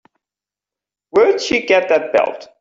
Where'd you get that belt?